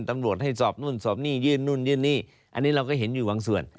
ตำรวจให้สอบนู่นสอบนี่ยื่นนู่นยื่นนี่อันนี้เราก็เห็นอยู่บางส่วน